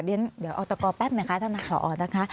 เดี๋ยวอร์ตกรแป๊บหน่อยค่ะ